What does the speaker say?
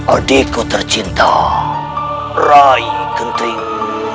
adikmu tercinta rai kenting